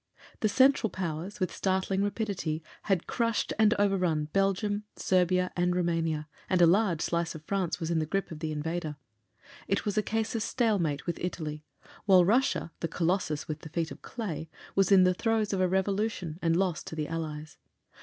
The Central Powers, with startling rapidity, had crushed and overrun Belgium, Serbia, and Roumania, and a large slice of France was in the grip of the invader. It was a case of stalemate with Italy, while Russia, the Colossus with the feet of clay, was in the throes of a Revolution and lost to the Allies.